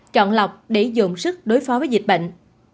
chọn lọc để dồn sức đối phó với dịch bệnh